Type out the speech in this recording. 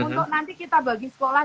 untuk nanti kita bagi sekolah